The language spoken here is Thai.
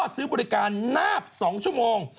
ซื้อบริการนาบ๒ชั่วโมง